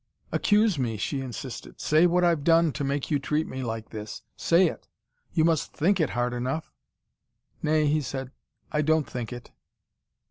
"Accuse me," she insisted. "Say what I've done to make you treat me like this. Say it. You must THINK it hard enough." "Nay," he said. "I don't think it."